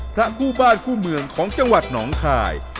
พระคู่บ้านคู่เมืองของจังหวัดหนองคาย